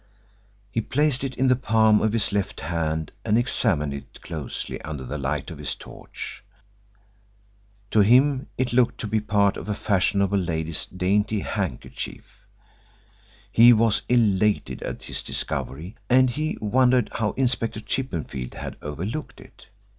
He placed it in the palm of his left hand and examined it closely under the light of his torch. To him it looked to be part of a fashionable lady's dainty handkerchief. He was elated at his discovery and he wondered how Inspector Chippenfield had overlooked it.